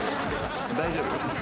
大丈夫。